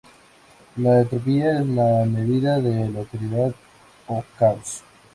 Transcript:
La entropía es la medida de aleatoriedad o caos.